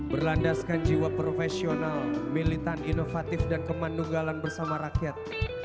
berlandaskan jiwa profesional militan inovatif dan kemanunggalan bersama rakyat